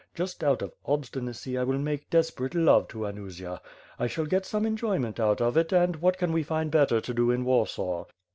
Just out of obstinacy, I will make desperate love to Anusia; I shall get some enjoyment out of it and what can we find better to do in Warsaw?"